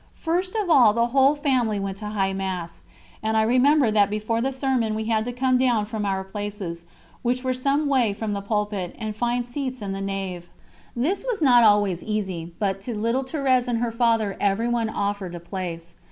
First of all the whole family went to High Mass, and I remember that before the sermon we had to come down from our places, which were some way from the pulpit, and find seats in the nave. This was not always easy, but to little Thérèse and her Father everyone offered a place.